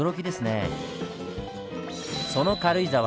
その軽井沢